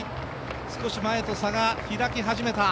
少し前と差が開き始めた。